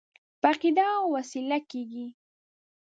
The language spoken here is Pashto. په عقیده او وسیله کېږي.